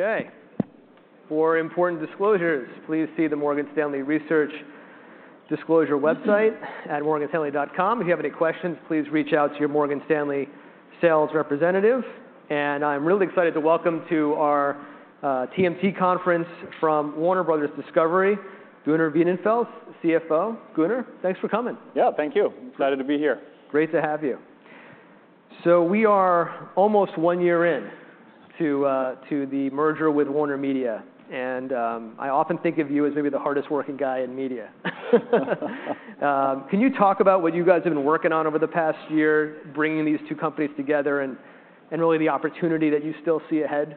Okay. For important disclosures, please see the Morgan Stanley research disclosure website at morganstanley.com. If you have any questions, please reach out to your Morgan Stanley sales representative. I'm really excited to welcome to our TMT conference from Warner Bros. Discovery, Gunnar Wiedenfels, CFO. Gunnar, thanks for coming. Yeah, thank you. I'm excited to be here. Great to have you. We are almost one year in to the merger with WarnerMedia, and I often think of you as maybe the hardest working guy in media. Can you talk about what you guys have been working on over the past year bringing these two companies together and really the opportunity that you still see ahead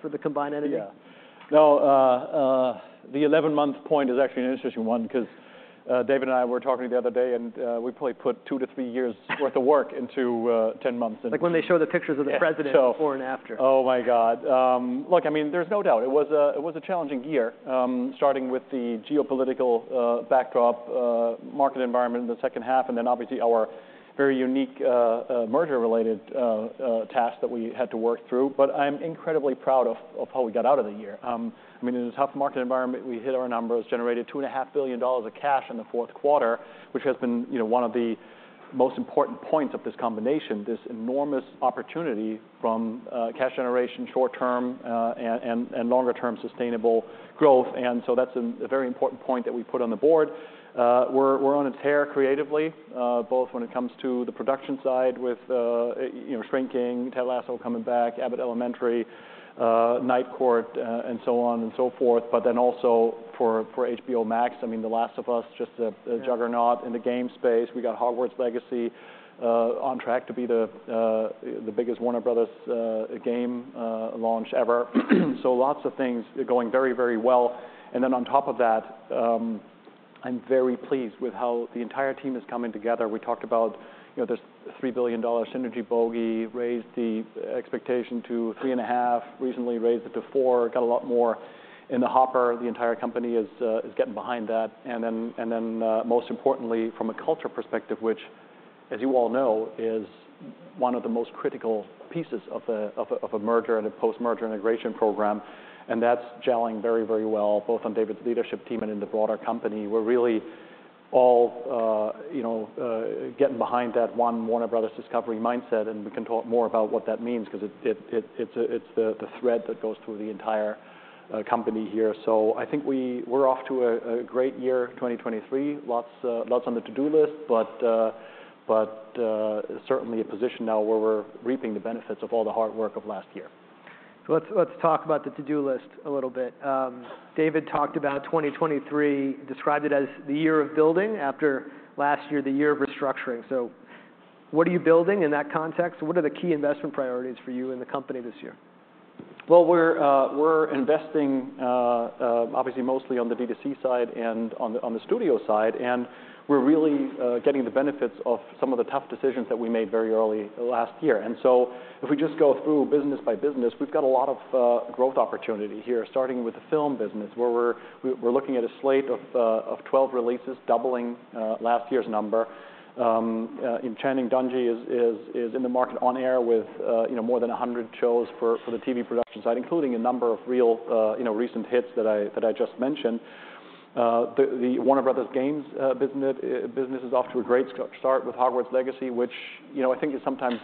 for the combined entity? Yeah. No, the 11-month point is actually an interesting one 'cause David and I were talking the other day, we probably put two to three years'- worth of work into 10 months. Like when they show the pictures of the president before and after. Oh my God. look, I mean, there's no doubt it was a challenging year, starting with the geopolitical backdrop, market environment in the second half, and then obviously our very unique merger-related tasks that we had to work through. I'm incredibly proud of how we got out of the year. I mean, in this tough market environment, we hit our numbers, generated two and a half billion dollars of cash in the fourth quarter, which has been, you know, one of the most important points of this combination, this enormous opportunity from cash generation short-term, and longer term sustainable growth. That's a very important point that we put on the board. We're, we're on a tear creatively, both when it comes to the production side with, you know, Shrinking, Ted Lasso coming back, Abbott Elementary, Night Court, and so on and so forth. For HBO Max, I mean, The Last of Us, just a juggernaut in the game space. We got Hogwarts Legacy on track to be the biggest Warner Bros. game launch ever. Lots of things going very, very well. I'm very pleased with how the entire team is coming together. We talked about, you know, this $3 billion synergy bogey raised the expectation to $3.5 billion, recently raised it to $4 billion, got a lot more in the hopper. The entire company is getting behind that. Then, most importantly, from a culture perspective, which, as you all know, is one of the most critical pieces of a merger and a post-merger integration program, and that's gelling very, very well, both on David's leadership team and in the broader company. We're really all, you know, getting behind that one Warner Bros. Discovery mindset, and we can talk more about what that means 'cause it's the thread that goes through the entire company here. I think we're off to a great year, 2023. Lots, lots on the to-do list, but certainly a position now where we're reaping the benefits of all the hard work of last year. Let's, let's talk about the to-do list a little bit. David talked about 2023, described it as the year of building after last year, the year of restructuring. What are you building in that context? What are the key investment priorities for you in the company this year? Well, we're investing mostly on the D2C side and on the studio side, and we're really getting the benefits of some of the tough decisions that we made very early last year. If we just go through business by business, we've got a lot of growth opportunity here, starting with the film business, where we're looking at a slate of 12 releases, doubling last year's number. Channing Dungey is in the market on air with, you know, more than 100 shows for the TV production side, including a number of real, you know, recent hits that I just mentioned. The Warner Bros. Games business is off to a great start with Hogwarts Legacy, which, you know, I think is sometimes.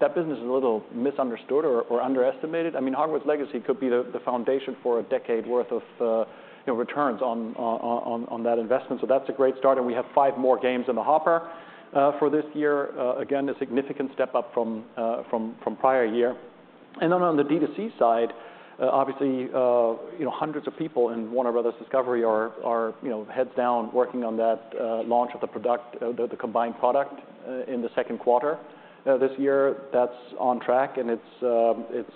That business is a little misunderstood or underestimated. I mean, Hogwarts Legacy could be the foundation for a decade worth of, you know, returns on that investment. That's a great start, and we have five more games in the hopper for this year. Again, a significant step up from prior year. On the D2C side, obviously, you know, hundreds of people in Warner Bros. Discovery are, you know, heads down working on that launch of the product, the combined product in the second quarter this year. That's on track, and it's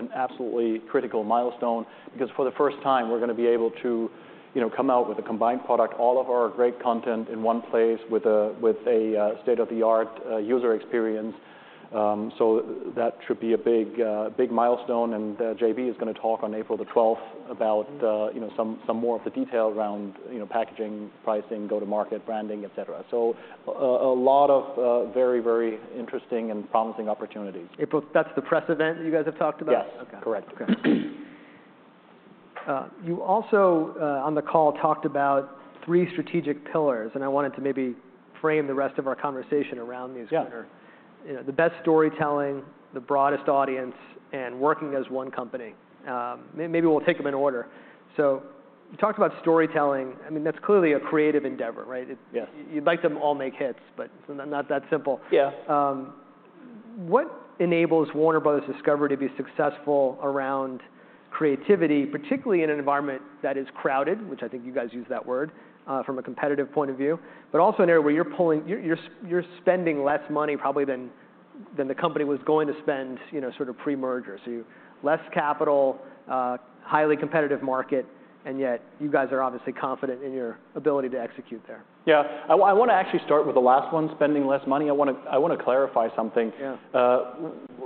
an absolutely critical milestone because for the first time, we're gonna be able to, you know, come out with a combined product, all of our great content in one place with a, with a, state-of-the-art, user experience. That should be a big, big milestone. JB is gonna talk on 12 April 2023 about you know, some more of the detail around, you know, packaging, pricing, go-to-market branding, et cetera. A lot of very interesting and promising opportunities. That's the press event that you guys have talked about? Yes. Okay. Correct. Okay. You also on the call talked about three strategic pillars. I wanted to maybe frame the rest of our conversation around these, Gunnar. You know, the best storytelling, the broadest audience, and working as one company. maybe we'll take them in order. You talked about storytelling. I mean, that's clearly a creative endeavor, right? You'd like them all make hits, not that simple. Yeah. What enables Warner Bros. Discovery to be successful around creativity, particularly in an environment that is crowded, which I think you guys used that word, from a competitive point of view, but also in an area where you're spending less money probably than the company was going to spend, you know, sort of pre-merger? Less capital, highly competitive market, yet you guys are obviously confident in your ability to execute there. Yeah. I wanna actually start with the last one, spending less money. I wanna clarify something.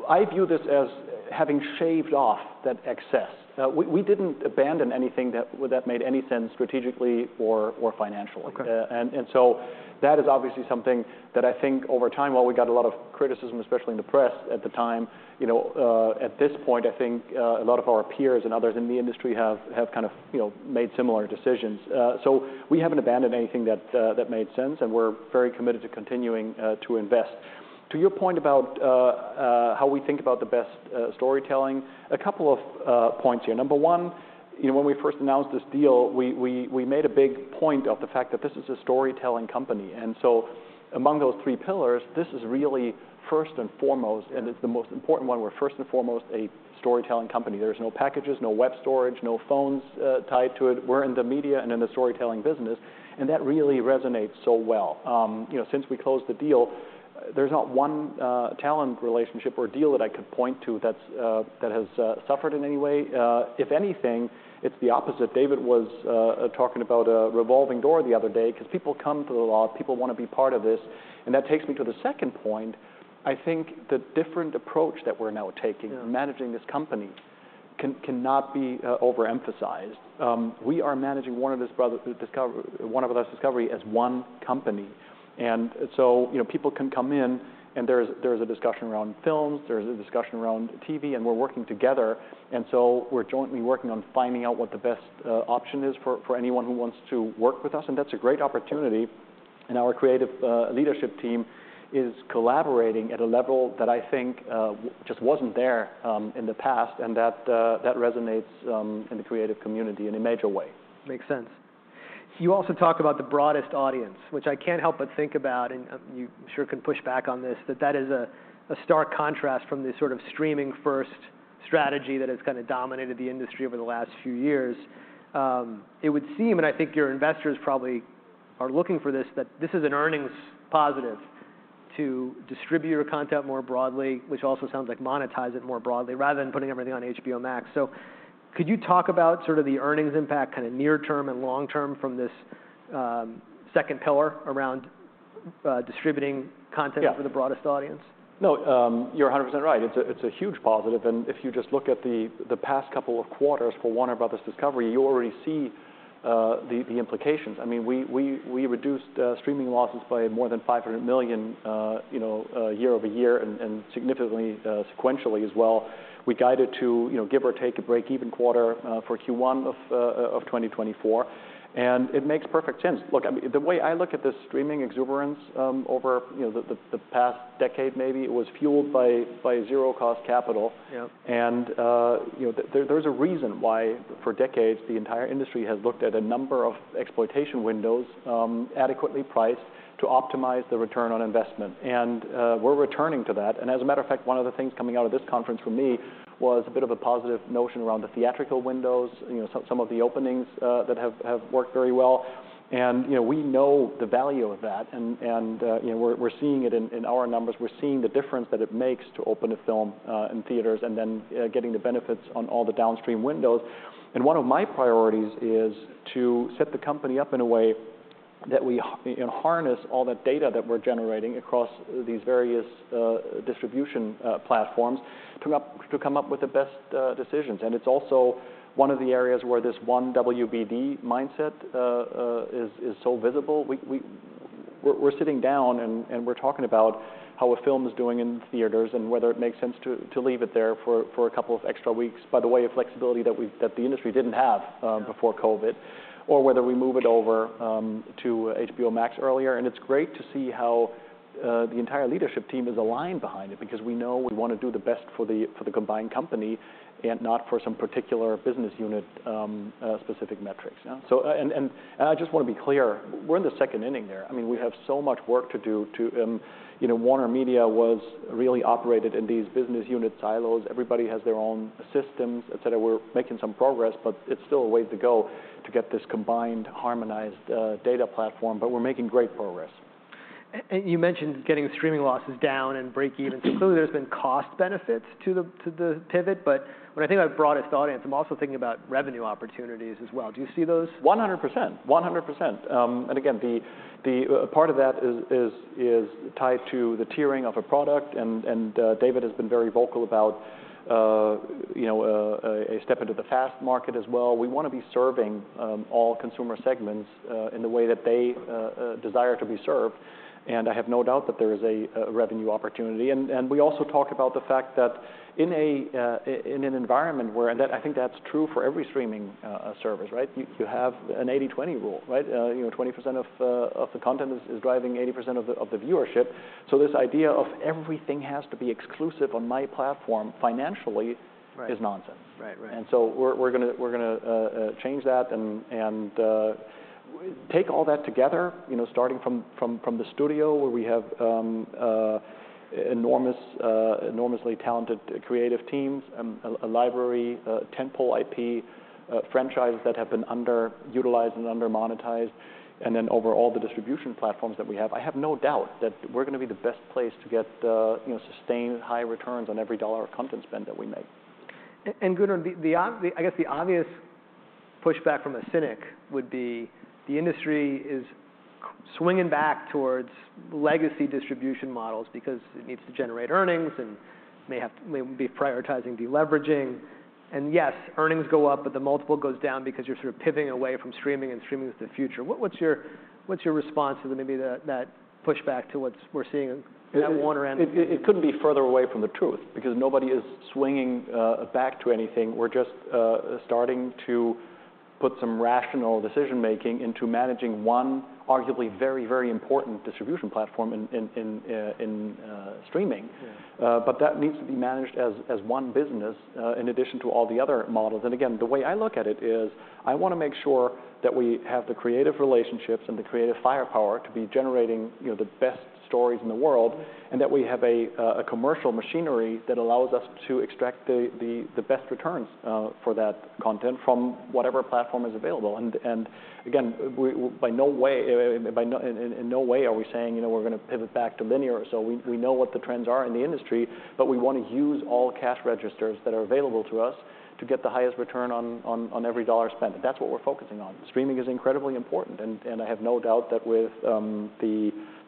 I view this as having shaved off that excess. We didn't abandon anything that made any sense strategically or financially. Okay. That is obviously something that I think over time, while we got a lot of criticism, especially in the press at the time, you know, at this point, I think, a lot of our peers and others in the industry have kind of, you know, made similar decisions. We haven't abandoned anything that made sense, and we're very committed to continuing to invest. To your point about how we think about the best storytelling, a couple of points here. Number one, you know, when we first announced this deal, we made a big point of the fact that this is a storytelling company. Among those three pillars, this is really first and foremost, and it's the most important one. We're first and foremost a storytelling company. There's no packages, no web storage, no phones, tied to it. We're in the media and in the storytelling business, and that really resonates so well. you know, since we closed the deal, there's not one, talent relationship or deal that I could point to that's, that has, suffered in any way. if anything, it's the opposite. David was talking about a revolving door the other day because people come to the lot. People wanna be part of this. That takes me to the second point. I think the different approach that we're now taking in managing this company can, cannot be overemphasized. We are managing Warner Bros. Discovery as one company. you know, people can come in, and there's a discussion around films, there's a discussion around TV, and we're working together. We're jointly working on finding out what the best option is for anyone who wants to work with us, and that's a great opportunity. Our creative leadership team is collaborating at a level that I think just wasn't there in the past, and that resonates in the creative community in a major way. Makes sense. You also talk about the broadest audience, which I can't help but think about, and you sure can push back on this, that that is a stark contrast from the sort of streaming-first strategy that has kind of dominated the industry over the last few years. It would seem, and I think your investors probably are looking for this, that this is an earnings positive to distribute your content more broadly, which also sounds like monetize it more broadly rather than putting everything on HBO Max. Could you talk about sort of the earnings impact, kind of near term and long term from this, second pillar around distributing content for the broadest audience? No, you're 100% right. It's a, it's a huge positive. If you just look at the past couple of quarters for Warner Bros. Discovery, you already see the implications. I mean, we reduced streaming losses by more than $500 million, you know, year-over-year and significantly sequentially as well. We guided to, you know, give or take, a break-even quarter for Q1 of 2024, it makes perfect sense. Look, I mean, the way I look at this streaming exuberance over, you know, the past decade maybe, it was fueled by zero-cost capital. Yeah. You know, there's a reason why for decades the entire industry has looked at a number of exploitation windows, adequately priced to optimize the return on investment, and we're returning to that. As a matter of fact, one of the things coming out of this conference for me was a bit of a positive notion around the theatrical windows, you know, some of the openings that have worked very well. You know, we know the value of that and, you know, we're seeing it in our numbers. We're seeing the difference that it makes to open a film in theaters and then getting the benefits on all the downstream windows. One of my priorities is to set the company up in a way that you know, harness all the data that we're generating across these various distribution platforms to come up with the best decisions. It's also one of the areas where this one WBD mindset is so visible. We're sitting down, and we're talking about how a film is doing in theaters and whether it makes sense to leave it there for a couple of extra weeks, by the way, a flexibility that the industry didn't have before COVID, or whether we move it over to HBO Max earlier. It's great to see how the entire leadership team is aligned behind it because we know we wanna do the best for the combined company and not for some particular business unit specific metrics. Yeah. I just wanna be clear, we're in the second inning there. I mean, we have so much work to do to. You know, WarnerMedia was really operated in these business unit silos. Everybody has their own systems, et cetera. We're making some progress, but it's still a way to go to get this combined, harmonized, data platform, but we're making great progress. You mentioned getting streaming losses down and breakeven. Clearly there's been cost benefits to the pivot, when I think about broadest audience, I'm also thinking about revenue opportunities as well. Do you see those? 100%. 100%. Again, the part of that is tied to the tiering of a product. David has been very vocal about, you know, a step into the FAST market as well. We wanna be serving all consumer segments in the way that they desire to be served, and I have no doubt that there is a revenue opportunity. We also talk about the fact that in an environment where I think that's true for every streaming service, right? You have an 80/20 rule, right? You know, 20% of the content is driving 80% of the viewership. This idea of everything has to be exclusive on my platform financially is nonsense. Right. Right. We're gonna change that and take all that together, you know, starting from the studio, where we have enormous enormously talented creative teams, a library, tent-pole IP, franchises that have been underutilized and under-monetized, and then over all the distribution platforms that we have. I have no doubt that we're gonna be the best place to get, you know, sustained high returns on every dollar of content spend that we make. Gunnar, the obvious pushback from a cynic would be the industry is swinging back towards legacy distribution models because it needs to generate earnings and may be prioritizing deleveraging. Yes, earnings go up, but the multiple goes down because you're sort of pivoting away from streaming, and streaming is the future. What's your response to that pushback to what's we're seeing at Warner and It couldn't be further away from the truth because nobody is swinging back to anything. We're just starting to put some rational decision-making into managing one arguably very, very important distribution platform in streaming. That needs to be managed as one business, in addition to all the other models. Again, the way I look at it is I wanna make sure that we have the creative relationships and the creative firepower to be generating, you know, the best stories in the world and that we have a commercial machinery that allows us to extract the best returns for that content from whatever platform is available. Again, by no way, in no way are we saying, you know, we're gonna pivot back to linear. We know what the trends are in the industry, but we wanna use all cash registers that are available to us to get the highest return on every dollar spent and that's what we're focusing on. Streaming is incredibly important. I have no doubt that with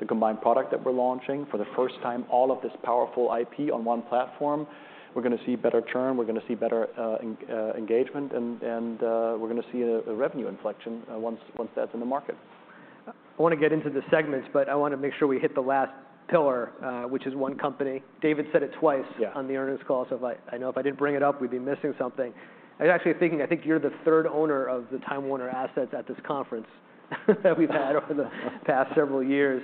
the combined product that we're launching for the first time all of this powerful IP on one platform we're gonna see better churn, we're gonna see better engagement and we're gonna see a revenue inflection once that's in the market. I wanna get into the segments, but I wanna make sure we hit the last pillar, which is one company. David said it twice on the earnings call. I know if I didn't bring it up we'd be missing something. I was actually thinking, I think you're the third owner of the Time Warner assets at this conference that we've had over the past several years.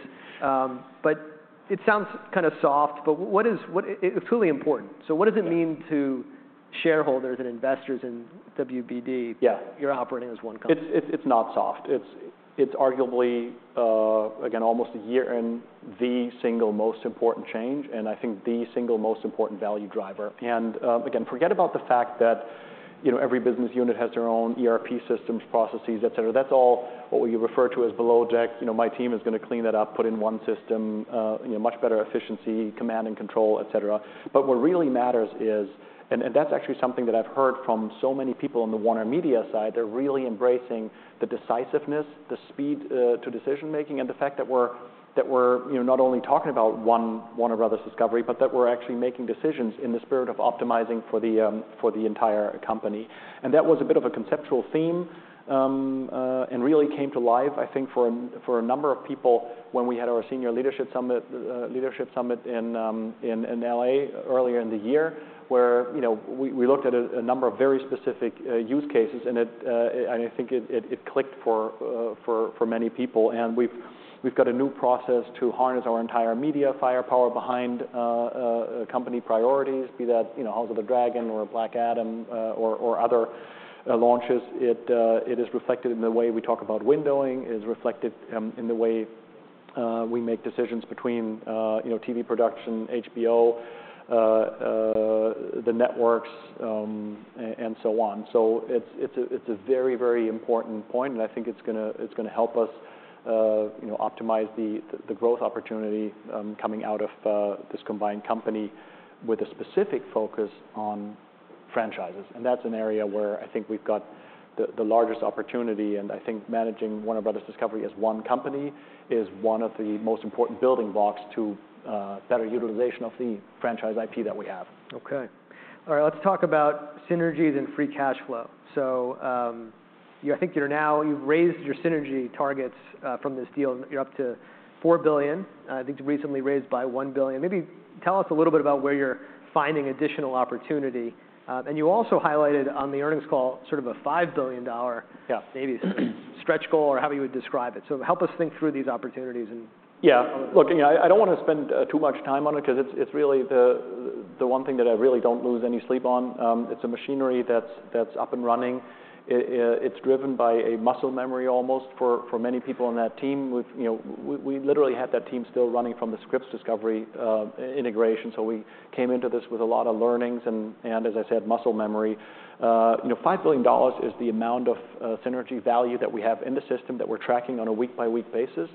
It sounds kind of soft, but it's truly important. What does it mean to shareholders and investors in WBD you're operating as one company? It's not soft. It's arguably, again almost a year in the single most important change and I think the single most important value driver. Again, forget about the fact that, you know, every business unit has their own ERP systems, processes, et cetera. That's all what we refer to as below deck. You know, my team is gonna clean that up, put it in one system, you know, much better efficiency, command and control, et cetera. What really matters is, that's actually something that I've heard from so many people on the WarnerMedia side, they're really embracing the decisiveness, the speed to decision-making and the fact that we're, you know, not only talking about one Warner Bros. Discovery but that we're actually making decisions in the spirit of optimizing for the entire company. That was a bit of a conceptual theme, and really came to life I think for a number of people when we had our senior leadership summit, leadership summit in L.A. earlier in the year where, you know, we looked at a number of very specific use cases and I think it clicked for many people. We've got a new process to harness our entire media firepower behind company priorities be that, you know, House of the Dragon or Black Adam or other launches. It, it is reflected in the way we talk about windowing, it is reflected, in the way, we make decisions between, you know, TV production, HBO, the networks, and so on. It's, it's a, it's a very, very important point and I think it's gonna, it's gonna help us, you know, optimize the growth opportunity, coming out of, this combined company with a specific focus on franchises and that's an area where I think we've got the largest opportunity and I think managing Warner Bros. Discovery as one company is one of the most important building blocks to, better utilization of the franchise IP that we have. Okay. All right, let's talk about synergies and free cash flow. You've raised your synergy targets from this deal and you're up to $4 billion. I think you recently raised by $1 billion. Maybe tell us a little bit about where you're finding additional opportunity. You also highlighted on the earnings call sort of a $5 billion maybe stretch goal or however you would describe it. help us think through these opportunities and- Yeah. Look, you know, I don't wanna spend too much time on it 'cause it's really the one thing that I really don't lose any sleep on. It's a machinery that's up and running. It's driven by a muscle memory almost for many people on that team with, you know, we literally had that team still running from the Scripps Discovery integration so we came into this with a lot of learnings and as I said muscle memory. You know, $5 billion is the amount of synergy value that we have in the system that we're tracking on a week-by-week basis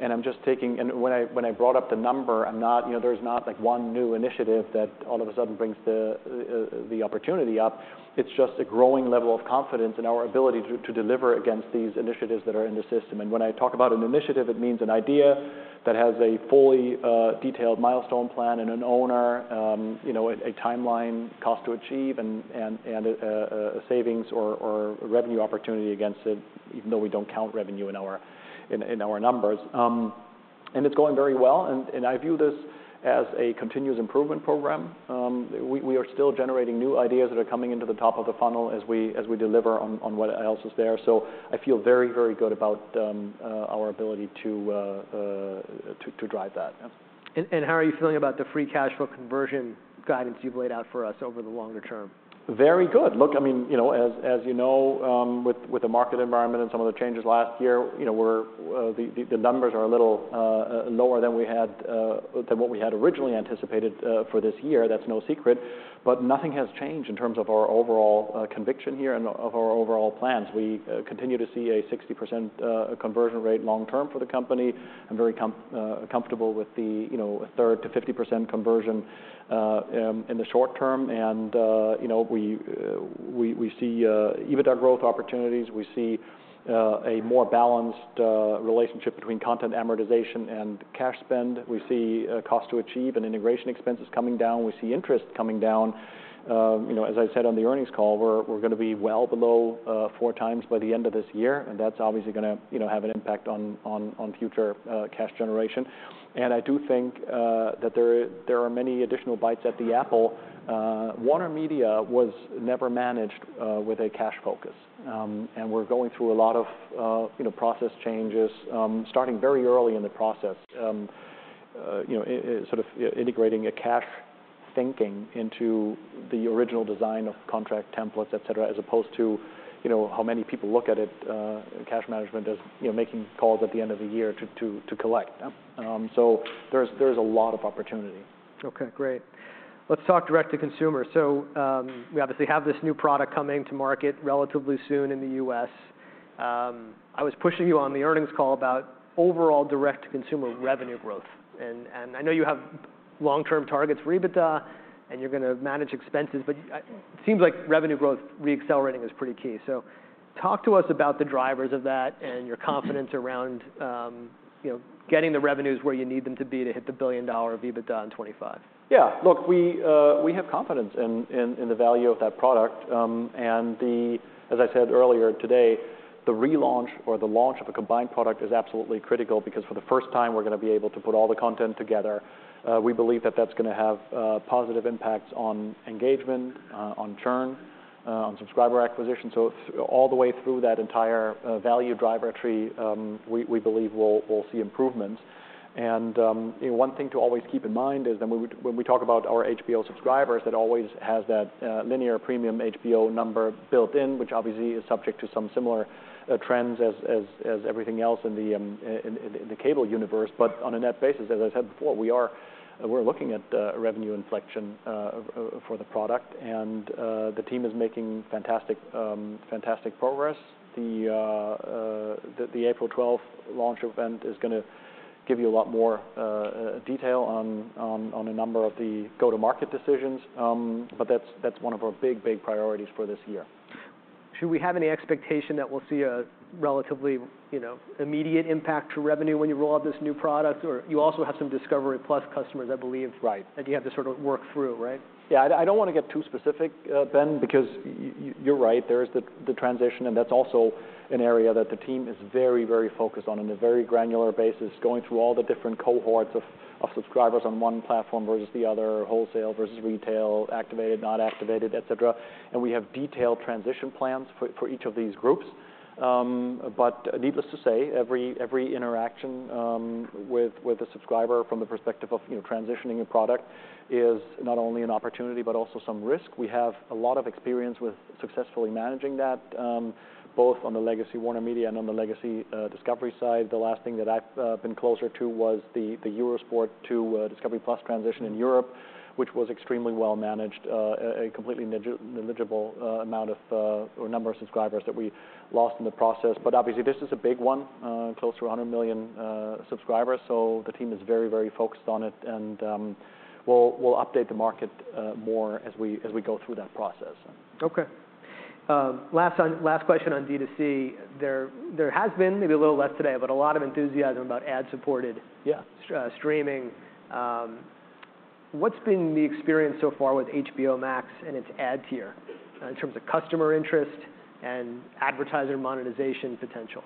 and I'm just taking, when I brought up the number I'm not, you know, there's not like one new initiative that all of a sudden brings the opportunity up. It's just a growing level of confidence in our ability to deliver against these initiatives that are in the system. When I talk about an initiative it means an idea that has a fully detailed milestone plan and an owner, you know, a timeline cost to achieve and a savings or a revenue opportunity against it even though we don't count revenue in our numbers. It's going very well and I view this as a continuous improvement program. We are still generating new ideas that are coming into the top of the funnel as we deliver on what else is there. I feel very, very good about our ability to drive that. How are you feeling about the free cash flow conversion guidance you've laid out for us over the longer term? Very good. Look, I mean, you know, as you know, with the market environment and some of the changes last year, you know, we're the numbers are a little lower than we had than what we had originally anticipated for this year. That's no secret. Nothing has changed in terms of our overall conviction here and of our overall plans. We continue to see a 60% conversion rate long term for the company. I'm very comfortable with the, you know, a third to 50% conversion in the short term and, you know, we see EBITDA growth opportunities. We see a more balanced relationship between content amortization and cash spend. We see cost to achieve and integration expenses coming down. We see interest coming down. you know, as I said on the earnings call we're gonna be well below four times by the end of this year and that's obviously gonna, you know, have an impact on future cash generation. I do think that there are many additional bites at the apple. WarnerMedia was never managed with a cash focus, we're going through a lot of, you know, process changes, starting very early in the process. you know, sort of integrating a cash thinking into the original design of contract templates, et cetera, as opposed to, you know, how many people look at it, cash management as, you know, making calls at the end of the year to collect. There's a lot of opportunity. Okay, great. Let's talk direct to consumer. We obviously have this new product coming to market relatively soon in the U.S. I was pushing you on the earnings call about overall direct-to-consumer revenue growth. I know you have long-term targets, EBITDA, and you're gonna manage expenses, but it seems like revenue growth re-accelerating is pretty key. Talk to us about the drivers of that and your confidence around, you know, getting the revenues where you need them to be to hit the billion-dollar EBITDA in 2025. Yeah. Look, we have confidence in the value of that product. As I said earlier today, the relaunch or the launch of a combined product is absolutely critical because for the first time, we're gonna be able to put all the content together. We believe that that's gonna have positive impacts on engagement, on churn, on subscriber acquisition. All the way through that entire value driver tree, we believe we'll see improvements. You know, one thing to always keep in mind is that when we talk about our HBO subscribers, it always has that linear premium HBO number built in, which obviously is subject to some similar trends as everything else in the cable universe. On a net basis, as I said before, we're looking at revenue inflection for the product, and the team is making fantastic progress. The 12 April 2023 launch event is gonna give you a lot more detail on a number of the go-to-market decisions. That's one of our big priorities for this year. Should we have any expectation that we'll see a relatively, you know, immediate impact to revenue when you roll out this new product? You also have some Discovery+ customers, I believe- Right that you have to sort of work through, right? Yeah. I don't wanna get too specific, Ben, because you're right. There is the transition, and that's also an area that the team is very focused on a very granular basis, going through all the different cohorts of subscribers on one platform versus the other, wholesale versus retail, activated, not activated, et cetera. We have detailed transition plans for each of these groups. Needless to say, every interaction with a subscriber from the perspective of, you know, transitioning a product is not only an opportunity, but also some risk. We have a lot of experience with successfully managing that, both on the legacy WarnerMedia and on the legacy Discovery side. The last thing that I've been closer to was the Eurosport to Discovery+ transition in Europe, which was extremely well managed. A completely negligible amount of or number of subscribers that we lost in the process. Obviously, this is a big one, close to 100 million subscribers, the team is very, very focused on it and we'll update the market more as we go through that process. Okay. last question on D2C. There has been maybe a little less today, but a lot of enthusiasm about ad-supported streaming. What's been the experience so far with HBO Max and its ad tier in terms of customer interest and advertiser monetization potential?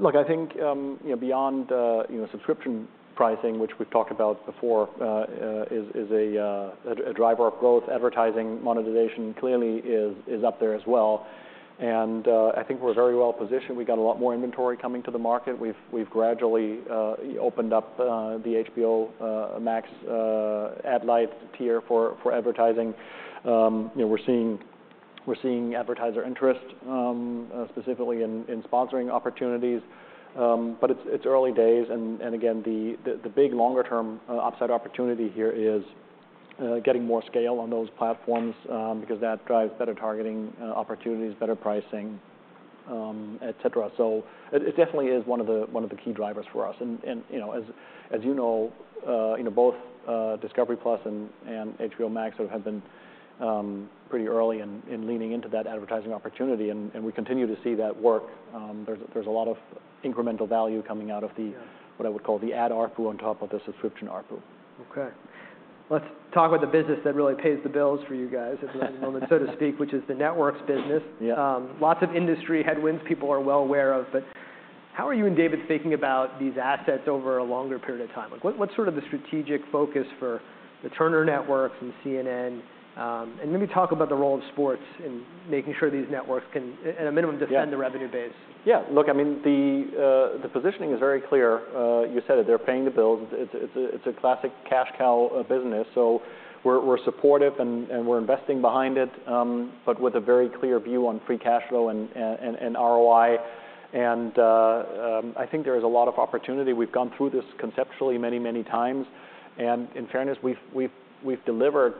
Look, I think, you know, beyond, you know, subscription pricing, which we've talked about before, is a driver of growth, advertising monetization clearly is up there as well. I think we're very well positioned. We got a lot more inventory coming to the market. We've gradually opened up the HBO Max ad light tier for advertising. You know, we're seeing advertiser interest specifically in sponsoring opportunities. But it's early days, and again, the big longer term upside opportunity here is getting more scale on those platforms, because that drives better targeting opportunities, better pricing, et cetera. It definitely is one of the key drivers for us. You know, both Discovery+ and HBO Max have been pretty early in leaning into that advertising opportunity, and we continue to see that work. There's a lot of incremental value coming out of what I would call the ad ARPU on top of the subscription ARPU. Okay. Let's talk about the business that really pays the bills for you guys at the moment, so to speak, which is the networks business. Yeah. Lots of industry headwinds people are well aware of, but how are you and David thinking about these assets over a longer period of time? Like, what's sort of the strategic focus for the Turner networks and CNN? Maybe talk about the role of sports in making sure these networks can, at a minimum defend the revenue base. Yeah. Look, I mean, the positioning is very clear. You said it. They're paying the bills. It's a classic cash cow business, we're supportive and we're investing behind it, but with a very clear view on free cash flow and ROI. I think there is a lot of opportunity. We've gone through this conceptually many times. In fairness, we've delivered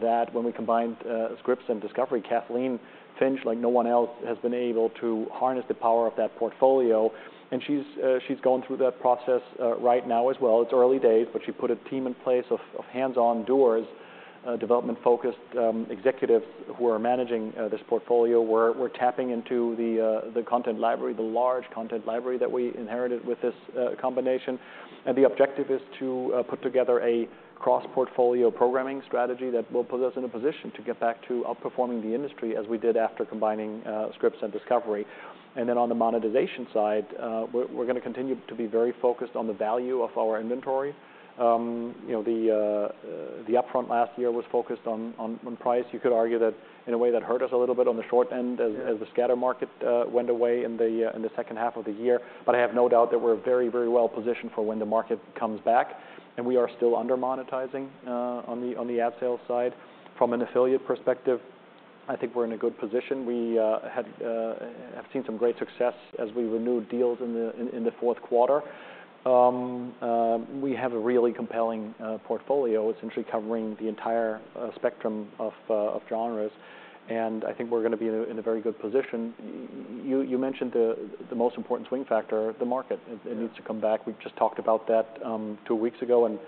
that when we combined Scripps and Discovery. Kathleen Finch, like no one else, has been able to harness the power of that portfolio, she's going through that process right now as well. It's early days, she put a team in place of hands-on doers, development-focused executives who are managing this portfolio. We're tapping into the content library, the large content library that we inherited with this combination. The objective is to put together a cross-portfolio programming strategy that will put us in a position to get back to outperforming the industry as we did after combining Scripps and Discovery. On the monetization side, we're gonna continue to be very focused on the value of our inventory. You know, the upfront last year was focused on price. You could argue that in a way, that hurt us a little bit on the short end as the scatter market went away in the second half of the year. I have no doubt that we're very, very well positioned for when the market comes back, and we are still under-monetizing on the ad sales side. From an affiliate perspective, I think we're in a good position. We have seen some great success as we renewed deals in the fourth quarter. We have a really compelling portfolio, essentially covering the entire spectrum of genres. I think we're gonna be in a very good position. You mentioned the most important swing factor, the market. It needs to come back. We've just talked about that two weeks ago, and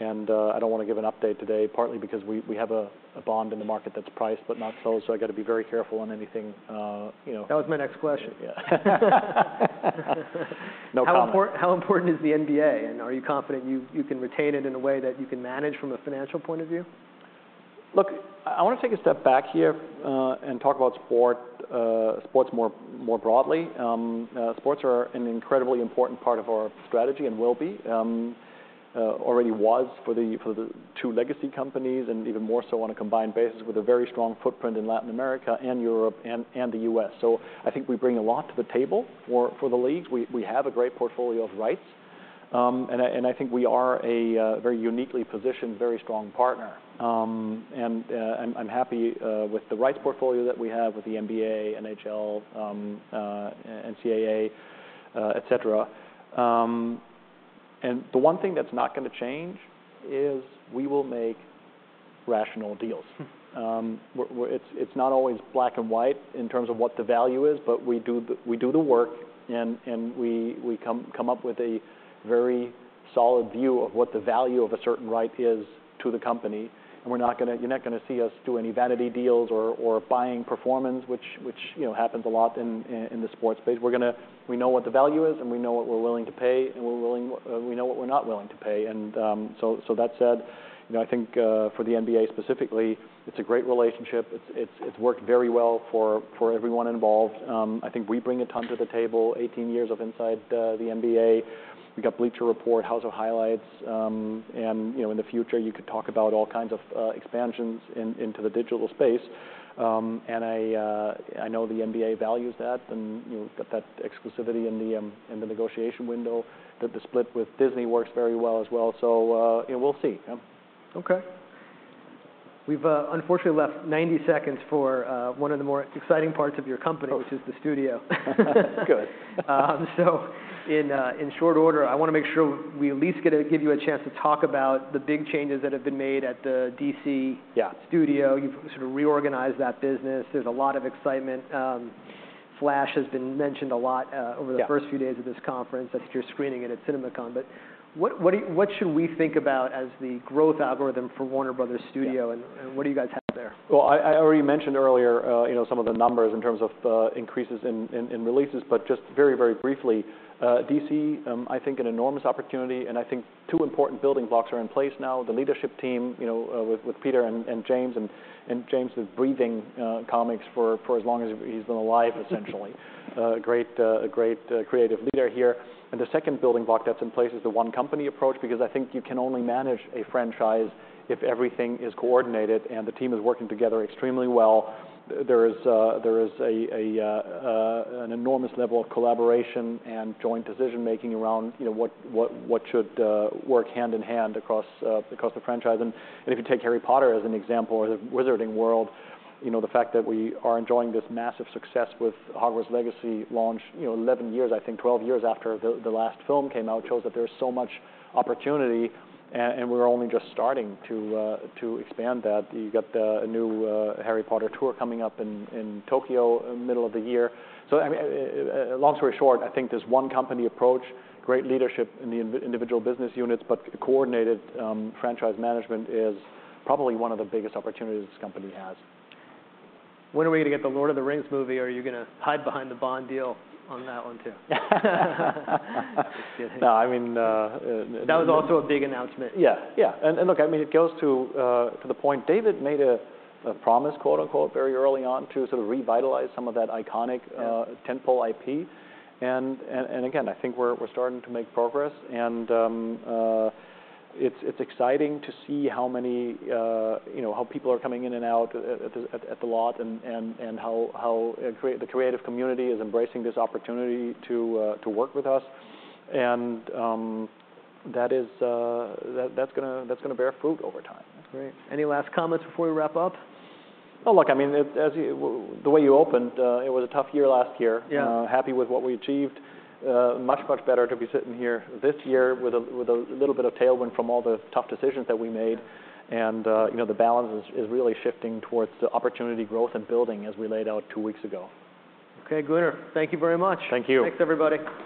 I don't wanna give an update today, partly because we have a bond in the market that's priced but not sold. I gotta be very careful on anything, you know. That was my next question. Yeah. No comment. How important is the NBA, and are you confident you can retain it in a way that you can manage from a financial point of view? Look, I wanna take a step back here, and talk about sport, sports more broadly. Sports are an incredibly important part of our strategy and will be. Already was for the two legacy companies and even more so on a combined basis with a very strong footprint in Latin America and Europe and the U.S. I think we bring a lot to the table for the leagues. We have a great portfolio of rights. I think we are a very uniquely positioned, very strong partner. I'm happy with the rights portfolio that we have with the NBA, NHL, NCAA, et cetera. The one thing that's not gonna change is we will make rational deals. We're, it's not always black and white in terms of what the value is, but we do the work and we come up with a very solid view of what the value of a certain right is to the company, and we're not gonna. You're not gonna see us do any vanity deals or buying performance, which, you know, happens a lot in the sports space. We know what the value is, and we know what we're willing to pay, and we're willing, we know what we're not willing to pay. That said, you know, I think for the NBA specifically, it's a great relationship. It's worked very well for everyone involved. I think we bring a ton to the table, 18 years of Inside the NBA. We got Bleacher Report, House of Highlights. You know, in the future, you could talk about all kinds of expansions into the digital space. I know the NBA values that, and, you know, got that exclusivity in the negotiation window, that the split with Disney works very well as well. Yeah, we'll see. Okay. We've, unfortunately left 90 seconds for, one of the more exciting parts of your company which is the Studio. Good. In short order, I wanna make sure we give you a chance to talk about the big changes that have been made at the DC Studio. You've sort of reorganized that business. There's a lot of excitement. Flash has been mentioned a lot over the first few days of this conference as you're screening it at CinemaCon. What do you, what should we think about as the growth algorithm for Warner Bros. Studio and what do you guys have there? Well, I already mentioned earlier, you know, some of the numbers in terms of increases in releases, but just very, very briefly, DC, I think an enormous opportunity, and I think two important building blocks are in place now. The leadership team, you know, with Peter and James is breathing comics for as long as he's been alive, essentially. A great creative leader here. The second building block that's in place is the one company approach because I think you can only manage a franchise if everything is coordinated, and the team is working together extremely well. There is an enormous level of collaboration and joint decision-making around, you know, what should work hand in hand across the franchise. If you take Harry Potter as an example or the Wizarding World, you know, the fact that we are enjoying this massive success with Hogwarts Legacy launch, you know, 11 years, I think 12 years after the last film came out shows that there is so much opportunity and we're only just starting to expand that. You got the new Harry Potter tour coming up in Tokyo in middle of the year. I mean, long story short, I think this one company approach, great leadership in the individual business units, but coordinated, franchise management is probably one of the biggest opportunities this company has. When are we gonna get the Lord of the Rings movie, or are you gonna hide behind the Bond deal on that one too? Just kidding. No, I mean. That was also a big announcement. Yeah. Yeah, look, I mean, it goes to the point. David made a promise, quote-unquote, very early on to sort of revitalize some of that iconic tentpole IP. Again, I think we're starting to make progress. It's exciting to see how many, you know, how people are coming in and out at the lot and how, the creative community is embracing this opportunity to work with us. That is, that's gonna bear fruit over time. That's great. Any last comments before we wrap-up? Oh, look, I mean, as you, the way you opened, it was a tough year last year. Happy with what we achieved. Much, much better to be sitting here this year with a little bit of tailwind from all the tough decisions that we made. You know, the balance is really shifting towards the opportunity growth and building as we laid out two weeks ago. Okay, Gunnar, thank you very much. Thank you. Thanks, everybody.